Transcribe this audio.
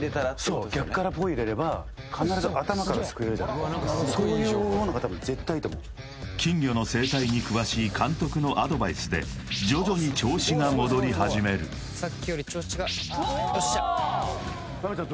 そう逆からポイ入れればそういう方法のが多分絶対いいと思う金魚の生態に詳しい監督のアドバイスで徐々に調子が戻り始めるさっきより調子がよっしゃなべちゃん